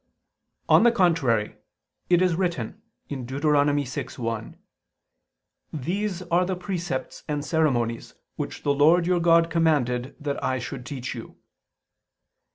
On the contrary, It is written (Deut. 6:1): "These are the precepts and ceremonies ... which the Lord your God commanded that I should teach you."